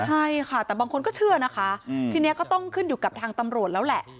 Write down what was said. ใช่ค่ะแต่บางคนก็เชื่อนะคะทีนี้ก็ต้องขึ้นอยู่กับทางตำรวจแล้วแหละ